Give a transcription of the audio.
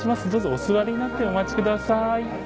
お座りになってお待ちください。